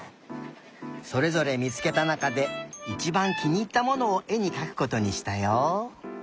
それぞれみつけたなかでいちばんきにいったものをえにかくことにしたよ。